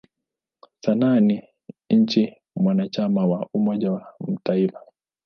Sasa ni nchi mwanachama wa Umoja wa Mataifa.